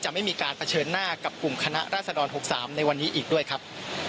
ไม่มีการเผชิญหน้ากับกลุ่มคณะราษฎร๖๓ในวันนี้อีกด้วยครับ